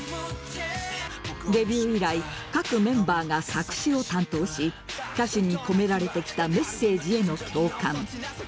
デビュー以来各メンバーが作詞を担当し歌詞に込められてきたメッセージへの共感。